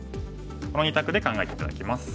この２択で考えて頂きます。